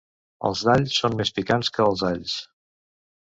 Els d'All són més picants que els alls.